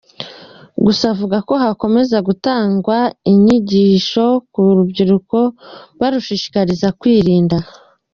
Gusa akavuga ko hakomeza gutangwa inyigisho ku rubyiruko barushishikariza kwirinda.